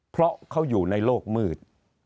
เพราะเขาอยู่ในโลกมืด